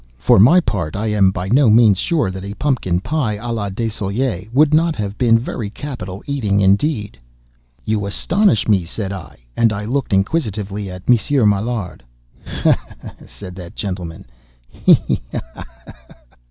For my part, I am by no means sure that a pumpkin pie à la Desoulières would not have been very capital eating indeed!" "You astonish me!" said I; and I looked inquisitively at Monsieur Maillard. "Ha! ha! ha!" said that gentleman—"he! he! he!—hi! hi! hi!—ho!